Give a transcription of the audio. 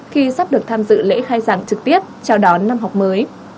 khi sắp được tham dự lễ khai giảng trực tiếp chào đón năm học mới